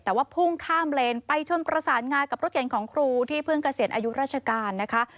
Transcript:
แต่ว่าพุ่งข้ามเลนไปชนประสานงากับรถเก่งของครูที่เพิ่งเกษียณอายุราชการนะคะ